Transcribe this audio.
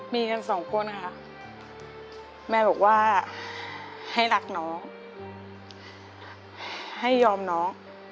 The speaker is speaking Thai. มีกันสองคนค่ะแม่บอกว่าให้รักน้องให้ยอมน้อง